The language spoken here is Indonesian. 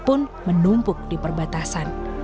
pun menumpuk di perbatasan